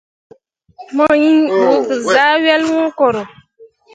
Mo inɓugezah wel wũ koro.